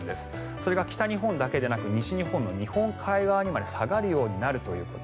それが北日本だけでなく西日本の日本海側にまで下がるということ。